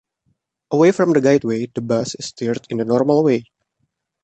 Away from the guideway, the bus is steered in the normal way.